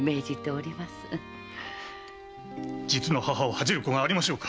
実の母を恥じる子がありましょうか？